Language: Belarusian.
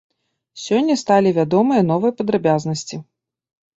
Сёння сталі вядомыя новыя падрабязнасці.